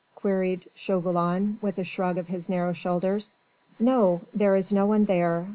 queried Chauvelin with a shrug of his narrow shoulders. "No. There is no one there.